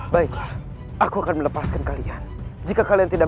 baiklah aku akan melepaskan kalian